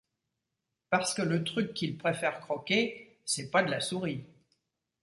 Parce que le truc qu’ils préfèrent croquer, c’est pas de la souris.